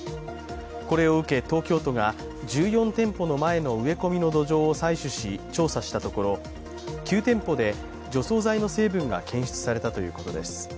これを受け、東京都が１４店舗の前の植え込みの土壌を採取し、調査したところ、９店舗で除草剤の成分が検出されたということです。